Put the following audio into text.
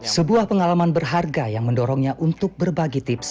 sebuah pengalaman berharga yang mendorongnya untuk berbagi tips